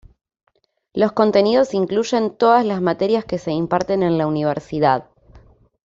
Los contenidos incluyen todas las materias que se imparten en la Universidad.